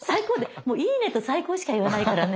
もう「いいね」と「最高」しか言わないからね。